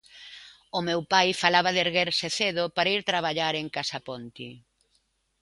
O meu pai falaba de erguerse cedo para ir a traballar en Casa Ponti.